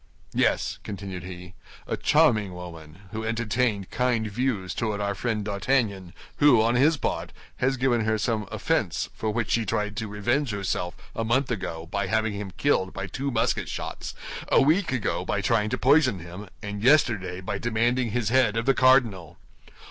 Yes," continued he, "a charming woman, who entertained kind views toward our friend D'Artagnan, who, on his part, has given her some offense for which she tried to revenge herself a month ago by having him killed by two musket shots, a week ago by trying to poison him, and yesterday by demanding his head of the cardinal."